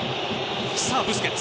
さあ、ブスケツ。